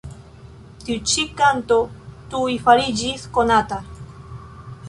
Tiu ĉi kanto tuj fariĝis konata.